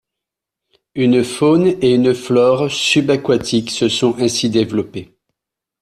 Une faune et une flore subacquatiques se sont ainsi développées.